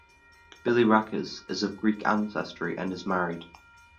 Bilirakis is of Greek ancestry and is married.